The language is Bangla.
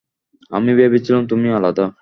আমি ভেবেছিলাম তুমি আলাদা।